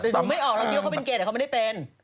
สูงไม่ออกเหรอเดี๋ยวเขาเป็นเกย์เดี๋ยวเขาไม่ได้เป็น